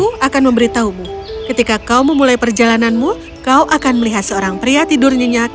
aku akan memberitahumu ketika kau memulai perjalananmu kau akan melihat seorang pria tidurnya nyatis